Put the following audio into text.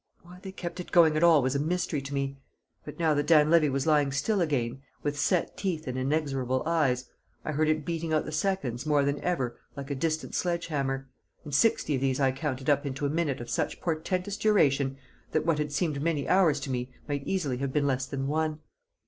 Why they kept it going at all was a mystery to me; but now that Dan Levy was lying still again, with set teeth and inexorable eyes, I heard it beating out the seconds more than ever like a distant sledgehammer, and sixty of these I counted up into a minute of such portentous duration that what had seemed many hours to me might easily have been less than one.